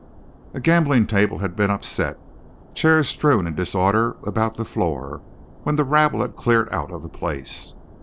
A gambling table had been upset, chairs strewn in disorder about the floor, when the rabble was cleared out of the place.